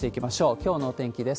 きょうのお天気です。